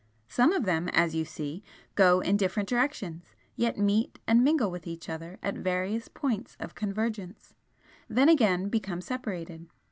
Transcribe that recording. Some of them, as you see, go in different directions, yet meet and mingle with each other at various points of convergence then again become separated.